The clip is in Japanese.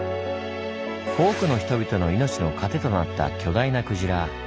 多くの人々の命の糧となった巨大な鯨。